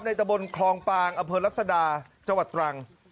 ในตะบนคลองปางอเผลศดาจังหวัดตรัง